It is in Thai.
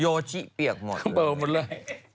โยชิเปียกหมดเลย